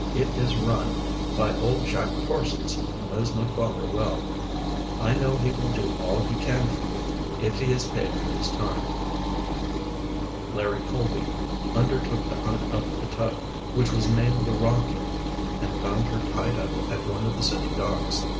"It is rum by old Jack Parsons, who knows my father well. I know he will do all he can for you, if he is paid for his time." Larry Colby undertook to hunt up the tug, which was named the Rocket, and found her tied up at one of the city docks.